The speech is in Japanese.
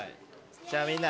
じゃあみんな。